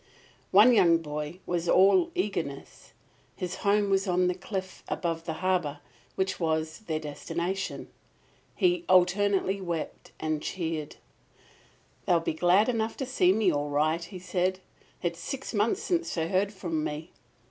One young boy was all eagerness. His home was on the cliff above the harbour which was their destination. He alternately wept and cheered. "They'll be glad enough to see me, all right," he said. "It's six months since they heard from me.